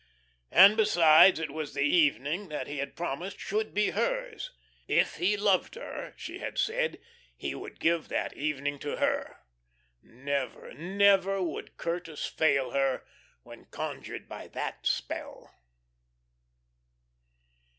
And, besides, it was the evening that he had promised should be hers. "If he loved her," she had said, he would give that evening to her. Never, never would Curtis fail her when conjured by that spell.